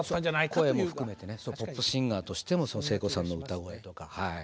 声も含めてポップシンガーとしても聖子さんの歌声とかはい。